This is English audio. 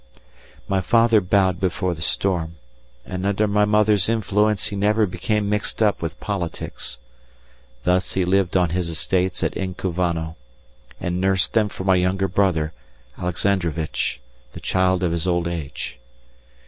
My father bowed before the storm, and under my mother's influence he never became mixed up with politics. Thus he lived on his estates at Inkovano, and nursed them for my younger brother, Alexandrovitch, the child of his old age.